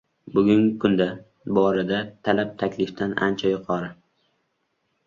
Bugungi kunda, boorda talab taklifdan ancha yuqori.